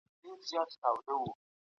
خره لره ښکرونه